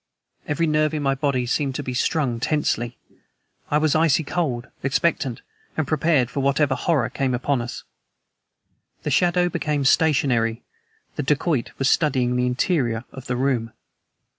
Every nerve in my body seemed to be strung tensely. I was icy cold, expectant, and prepared for whatever horror was upon us. The shadow became stationary. The dacoit was studying the interior of the room.